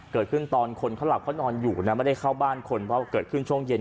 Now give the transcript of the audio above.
ตอนคนเขาหลับเขานอนอยู่นะไม่ได้เข้าบ้านคนเพราะเกิดขึ้นช่วงเย็น